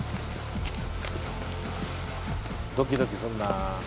ドキドキすんな。